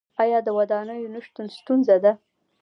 آیا د ودانیو نشتون ستونزه ده؟